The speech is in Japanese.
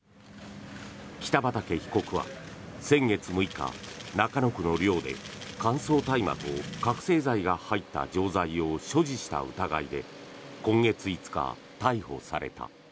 北畠被告は先月６日中野区の寮で乾燥大麻と覚醒剤が入った錠剤を所持した疑いで今月５日逮捕された。